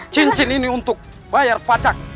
cincin ini untuk bayar pajak